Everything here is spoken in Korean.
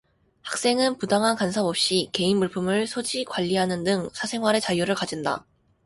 학생은 부당한 간섭 없이 개인 물품을 소지·관리하는 등 사생활의 자유를 가진다.